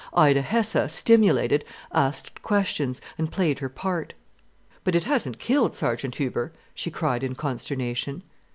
Ida Hesse, stimulated, asked questions, and played her part. "But it hasn't killed Sergeant Huber?" she cried in consternation.